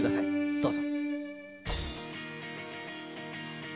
どうぞ。